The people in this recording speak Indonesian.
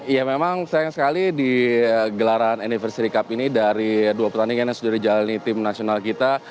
ya memang sayang sekali di gelaran anniversary cup ini dari dua pertandingan yang sudah dijalani tim nasional kita